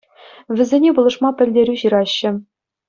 Вӗсене пулӑшма пӗлтерӳ ҫыраҫҫӗ.